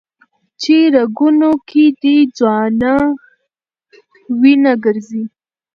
چي رګونو كي دي ځوانه وينه ګرځي